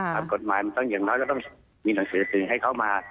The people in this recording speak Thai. ต้องมีกฎหมายเราก็อย่างน้อยต้องมีหนังสือปืนให้เขามา